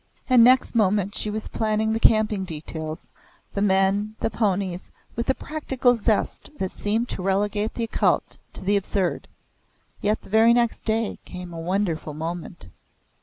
And next moment she was planning the camping details, the men, the ponies, with a practical zest that seemed to relegate the occult to the absurd. Yet the very next day came a wonderful moment.